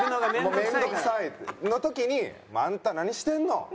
もう面倒くさい。の時にあんた何してんの？